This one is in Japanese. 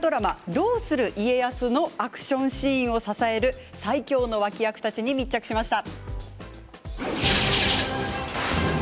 「どうする家康」のアクションシーンを支える最強の脇役たちに密着しました。